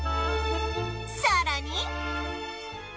さらに